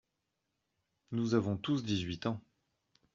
Nous avons tous dix-huit ans.